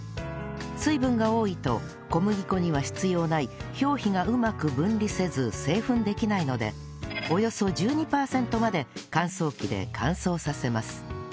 水分が多いと小麦粉には必要ない表皮がうまく分離せず製粉できないのでおよそ１２パーセントまで乾燥機で乾燥させます